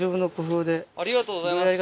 ありがとうございます。